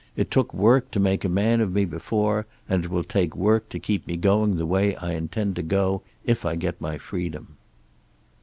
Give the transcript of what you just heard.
It took work to make a man of me before, and it will take work to keep me going the way I intend to go, if I get my freedom."